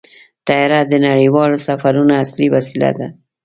طیاره د نړیوالو سفرونو اصلي وسیله ده.